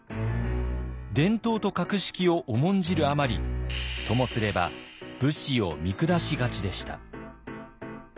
伝統と格式を重んじるあまりともすれば武士を見下しがちでした。